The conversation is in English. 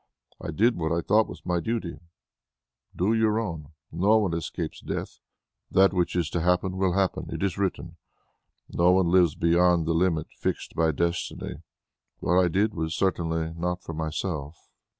I did what I thought was my duty; do your own. No one escapes death. That which is to happen, will happen; it is written. No one lives beyond the limit fixed by destiny. What I did was certainly not for myself...."